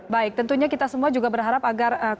baik tentunya kita semua juga berharap agar